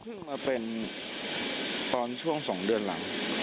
มาเป็นตอนช่วง๒เดือนหลัง